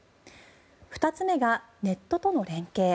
２つ目がネットとの連携。